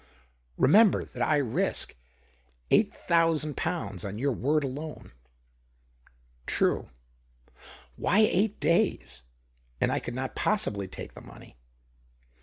Eemember that I risk eiojht thousand pounds on your word alone." " True. Why eight days ? And I could Qot possibly take the money."